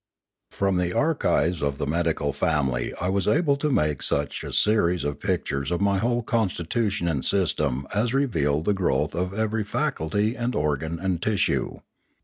From the archives of the medical family I was able to make such a series of pictures of my whole constitu tion and system as revealed the growth of every faculty and organ and tissue.